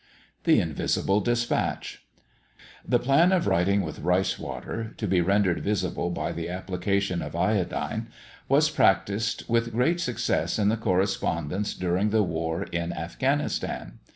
THE INVISIBLE DISPATCH. The plan of writing with rice water, to be rendered visible by the application of iodine, was practised with great success in the correspondence during the war in Affghanistan.